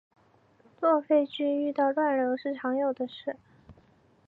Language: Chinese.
坐飞机遇到乱流是常有的事